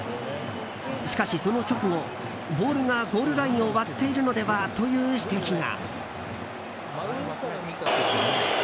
しかし、その直後ボールがゴールラインを割っているのでは？という指摘が。